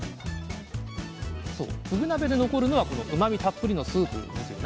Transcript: ふぐ鍋で残るのはこのうまみたっぷりのスープですよね。